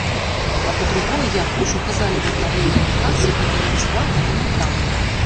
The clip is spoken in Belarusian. А па-другое, як ужо казалі ва ўпраўленні адукацыі, гэта не бясплатна і нятанна.